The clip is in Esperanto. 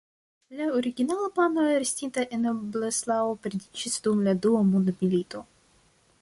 La originala plano restinta en Breslau perdiĝis dum la Dua Mondmilito.